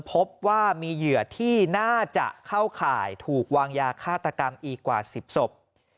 พบว่ามีเหยื่อที่น่าจะเข้าข่ายถูกวางยาฆาตกรรมอีกกว่า๑๐ศพ